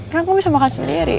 kan aku bisa makan sendiri